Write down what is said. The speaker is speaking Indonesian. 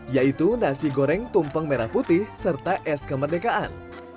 yaitu nasi goreng tumpeng merah putih serta es kemerdekaan